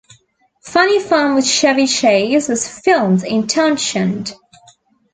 Funny Farm with Chevy Chase was filmed in Townshend.